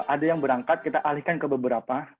ada yang berangkat kita alihkan ke beberapa